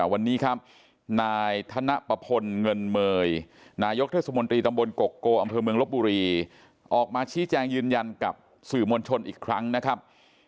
วันนี้ครับนายธนปะพลเงินเมย์นายกเทศมนตรีตำบลกกโกอำเภอเมืองลบบุรีออกมาชี้แจงยืนยันกับสื่อมวลชนอีกครั้งนะครับ